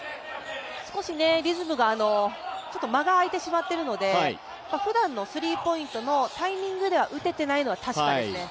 少しリズムが、ちょっと間があいてしまっているので、ふだんのスリーポイントのタイミングでは打ててないのは確かですね。